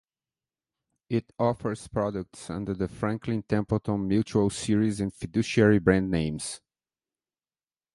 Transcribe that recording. It offers products under the Franklin, Templeton, Mutual Series and Fiduciary brand names.